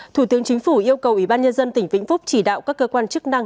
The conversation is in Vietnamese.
thủ tướng chính phủ yêu cầu ủy ban nhân dân tỉnh vĩnh phúc chỉ đạo các cơ quan chức năng